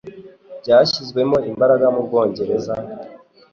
bwashyizwemo imbaraga mu Bwongereza,